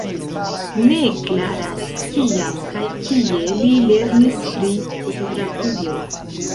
Ne klaras, kiam kaj kie li lernis pri fotografio.